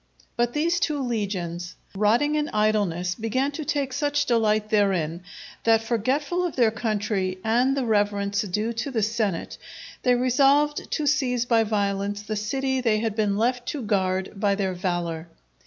But these two legions, rotting in idleness began to take such delight therein, that forgetful of their country and the reverence due to the senate, they resolved to seize by violence the city they had been left to guard by their valour.